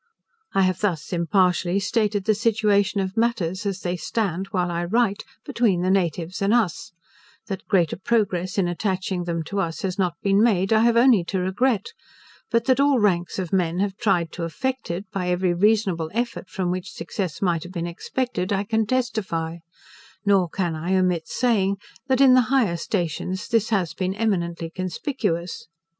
I have thus impartially stated the situation of matters, as they stand, while I write, between the natives and us; that greater progress in attaching them to us has not been made, I have only to regret; but that all ranks of men have tried to effect it, by every reasonable effort from which success might have been expected, I can testify; nor can I omit saying, that in the higher stations this has been eminently conspicuous.